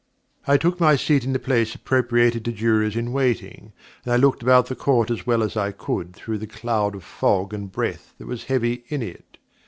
I took my seat in the place appropriated to Jurors in waiting, and I looked about the Court as well as I could through the cloud of fog and breath that was heavy in it.